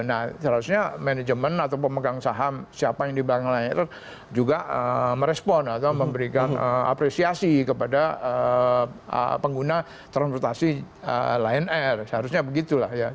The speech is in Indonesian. nah seharusnya manajemen atau pemegang saham siapa yang dibangun lion air juga merespon atau memberikan apresiasi kepada pengguna transportasi lion air seharusnya begitulah ya